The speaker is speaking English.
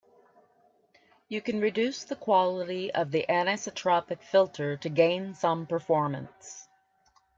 You can reduce the quality of the anisotropic filter to gain some performance.